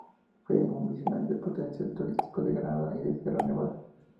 Fue un visionario del potencial turístico de Granada y de Sierra Nevada.